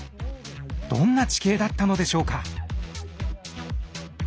どんな地形だったのでしょうか？